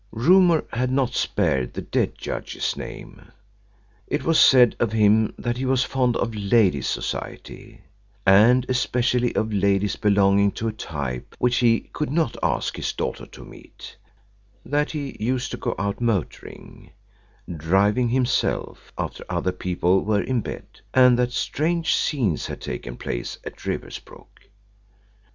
Rumour had not spared the dead judge's name. It was said of him that he was fond of ladies' society, and especially of ladies belonging to a type which he could not ask his daughter to meet; that he used to go out motoring, driving himself, after other people were in bed; and that strange scenes had taken place at Riversbrook.